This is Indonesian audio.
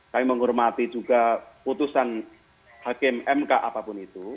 kami menghormati juga putusan hakim mk apapun itu